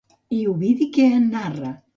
I Ovidi què en narra?